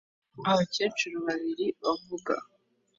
Abakecuru babiri bavuga